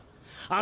あ。